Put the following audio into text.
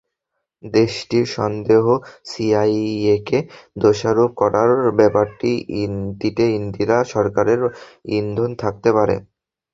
দেশটির সন্দেহ, সিআইএকে দোষারোপ করার ব্যাপারটিতে ইন্দিরা সরকারের ইন্ধন থাকতে পারে।